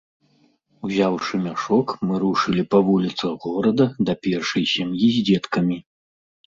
Узяўшы мяшок, мы рушылі па вуліцах горада да першай сям'і з дзеткамі.